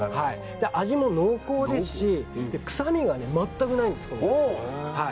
味も濃厚ですし臭みがまったくないんです。